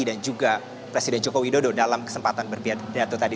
dan juga presiden jokowi dodo dalam kesempatan berpidato tadi